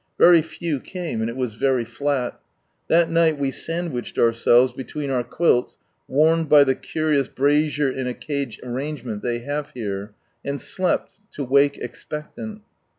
Very few came, and it was very flat. That night we sandwiched ourselves between our quills, warmed by the curious brazier in a cage arrangement ihey have here, and slept, to wake expectant.